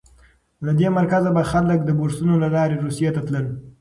له دې مرکزه به خلک د بورسونو له لارې روسیې ته تلل.